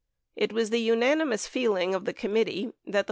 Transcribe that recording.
88 It was the unanimous feeling of the committee that the $4.